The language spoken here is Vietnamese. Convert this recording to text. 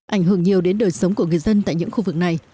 ảnh hưởng nhiều đến đời sống của người dân tại những khu vực này